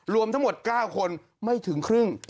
รวมทั้งหมด๙คนไม่ถึงครึ่ง